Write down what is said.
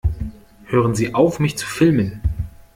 Hören Sie auf, mich zu filmen!